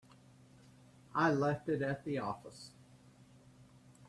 I left it at the office.